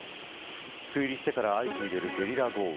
梅雨入りしてから相次いでいるゲリラ豪雨